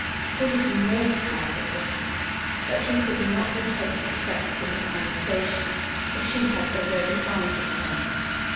He was mortified at this, but he could not retrace his steps in the conversation, for she had already answered him.